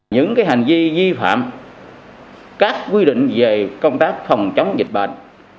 những hành vi vi phạm các quy định về công tác không chống dịch bệnh